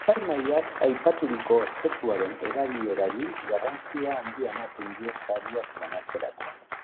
Epaimahaiak aipaturiko objektuaren erabilerari garrantzia handia ematen dio sariak banatzerakoan.